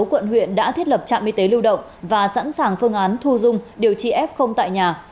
sáu quận huyện đã thiết lập trạm y tế lưu động và sẵn sàng phương án thu dung điều trị f tại nhà